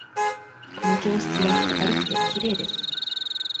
この教室は明るくて、きれいです。